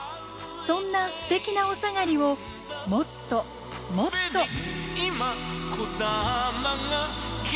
そんなステキなおさがりをもっともっと。